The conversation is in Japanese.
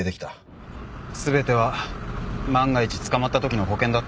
全ては万が一捕まったときの保険だったんだろ？